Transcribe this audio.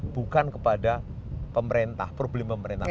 bukan kepada pemerintah problem pemerintahan